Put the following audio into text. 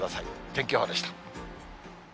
天気予報でした。